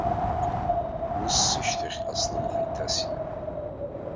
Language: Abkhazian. Ус сышьҭахьҟа слымҳа иҭасит.